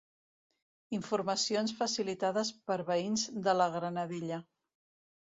Informacions facilitades per veïns de la Granadella.